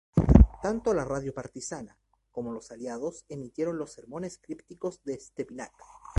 Tanto la radio partisana como los aliados emitieron los sermones críticos de Stepinac.